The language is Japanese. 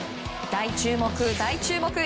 大注目、大注目。